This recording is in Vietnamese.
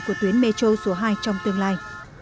của tuyến metro số hai trong tương lai